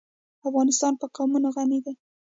افغانستان په قومونه غني دی.